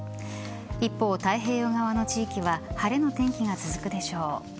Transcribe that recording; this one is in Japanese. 一方、太平洋側の地域は晴れの天気が続くでしょう。